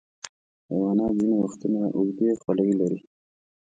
حیوانات ځینې وختونه اوږدې خولۍ لري.